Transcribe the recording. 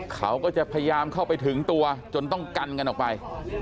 เขาก็จะพยายามเข้าไปถึงตัวจนต้องกันกันออกไป